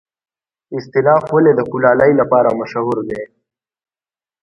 استالف ولې د کلالۍ لپاره مشهور دی؟